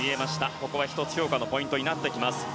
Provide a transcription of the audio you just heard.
ここは１つ評価のポイントになってきます。